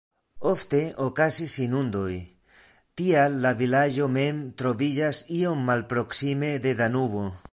Ofte okazis inundoj, tial la vilaĝo mem troviĝas iom malproksime de Danubo.